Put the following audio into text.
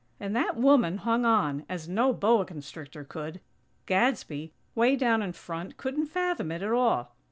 And that woman hung on, as no boa constrictor could! Gadsby, way down in front, couldn't fathom it, at all.